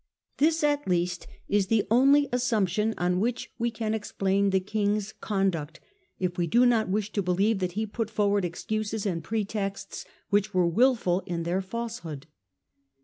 This at least is the only assump tion on which we can explain the King's conduct, if we do not wish to believe that he put forward excuses and pretexts which were wilful in their falsehood.